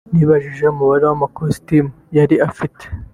nibajije umubare w’amakositimu yari afite